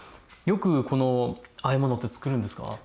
よくこのあえ物って作るんですか？